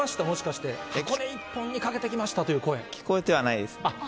もしかして、箱根１本にかけてきましたという聞こえてはないです。